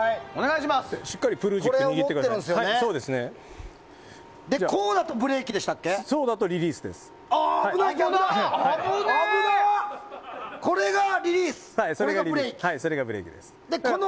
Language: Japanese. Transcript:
しっかりプルージック握ってくださいね。